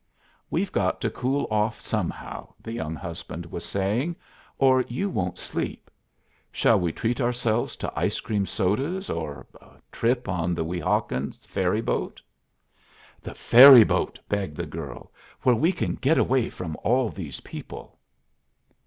"We've got to cool off somehow," the young husband was saying, "or you won't sleep. Shall we treat ourselves to ice cream sodas or a trip on the Weehawken ferry boat?" "The ferry boat!" begged the girl, "where we can get away from all these people."